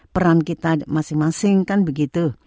peran kita masing masing kan begitu